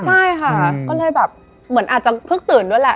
ใช่ค่ะก็เลยแบบเหมือนอาจจะเพิ่งตื่นด้วยแหละ